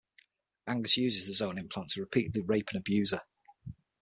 Angus uses the zone implant to repeatedly rape and abuse her.